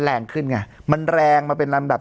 แรงขึ้นไงมันแรงมาเป็นลำดับ